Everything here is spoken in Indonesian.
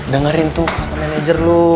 dengarin tuh manager lu